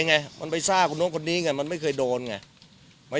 ไงมันไปซ่าคนนู้นคนนี้ไงมันไม่เคยโดนไง